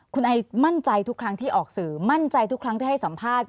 คุณไอมั่นใจทุกครั้งที่ออกสื่อมั่นใจทุกครั้งที่ให้สัมภาษณ์